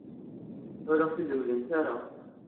Ur aɣ-tt-id-temlamt ara.